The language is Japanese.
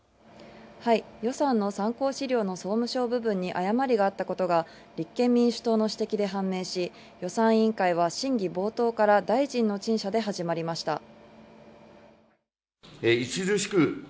はい、予算の参考資料の総務省資料に立憲民主党の指摘で判明し予算委員会は審議冒頭から大臣の陳謝で始まりました。